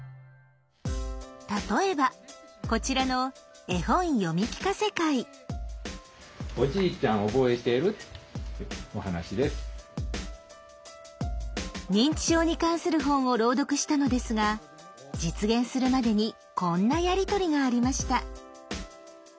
例えばこちらの認知症に関する本を朗読したのですが実現するまでにこんなやり取りがありました。